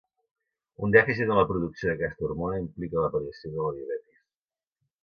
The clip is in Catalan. Un dèficit en la producció d'aquesta hormona implica l'aparició de la diabetis.